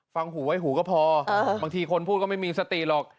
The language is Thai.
หูไว้หูก็พอบางทีคนพูดก็ไม่มีสติหรอก